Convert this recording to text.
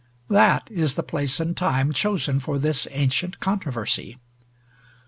That is the place and time chosen for this ancient controversy.